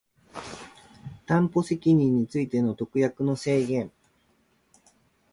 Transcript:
担保責任についての特約の制限